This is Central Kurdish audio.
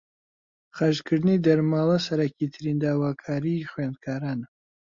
خەرجکردنی دەرماڵە سەرەکیترین داواکاریی خوێندکارانە